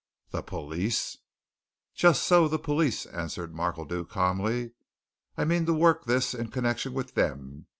"The police!" "Just so the police," answered Markledew, calmly. "I mean to work this in connection with them.